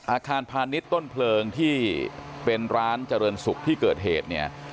อาคารพาณิชย์ต้นเพลิงที่เป็นร้านเจริญศุกร์ที่เกิดเหตุเนี่ย